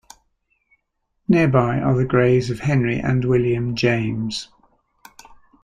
Nearby are the graves of Henry and William James.